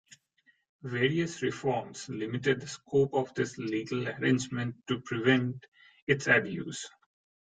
Various reforms limited the scope of this legal arrangement to prevent its abuse.